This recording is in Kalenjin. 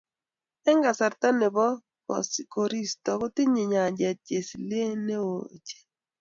Eng kasarta ne bo koristo kotinye nyanjet chesilieny ne oo ochei.